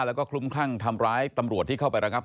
และก็คลุ่มคร่างทำร้ายตำรวจที่เข้าไปแล้วครับ